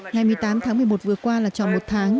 ngày một mươi tám tháng một mươi một vừa qua là tròn một tháng